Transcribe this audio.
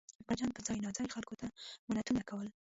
اکبرجان به ځای ناځای خلکو ته منتونه کول.